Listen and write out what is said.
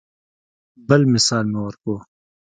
بل مثال مې ورکو.